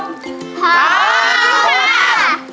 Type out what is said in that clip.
พร้อม